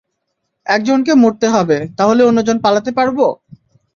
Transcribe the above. একজনকে মরতে হবে, তাহলে অন্যজন পালাতে পারব!